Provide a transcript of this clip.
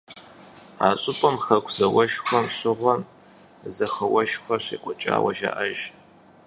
А щӏыпӏэм Хэку зауэшхуэм щыгъуэ зэхэуэшхуэ щекӏуэкӏауэ жаӏэж.